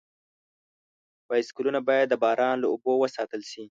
بایسکلونه باید د باران له اوبو وساتل شي.